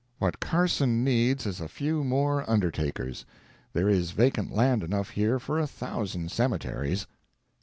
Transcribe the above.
What Carson needs is a few more undertakers—there is vacant land enough here for a thousand cemeteries.